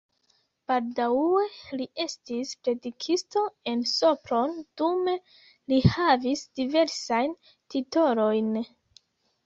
Baldaŭe li estis predikisto en Sopron, dume li havis diversajn titolojn.